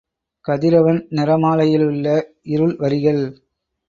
கதிரவன் நிறமாலையிலுள்ள இருள் வரிகள்.